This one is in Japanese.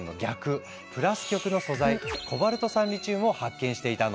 プラス極の素材「コバルト酸リチウム」を発見していたの。